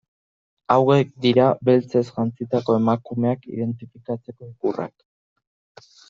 Hauek dira Beltzez Jantzitako Emakumeak identifikatzeko ikurrak.